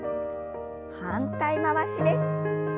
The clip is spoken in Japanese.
反対回しです。